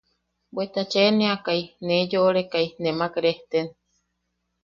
Bweta cheʼaneakai nee yoʼorekai nemak rejten.